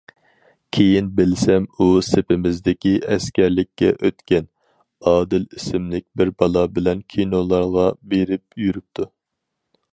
كېيىن بىلسەم، ئۇ سىنىپىمىزدىكى ئەسكەرلىككە ئۆتكەن ئادىل ئىسىملىك بىر بالا بىلەن كىنولارغا بېرىپ يۈرۈپتۇ.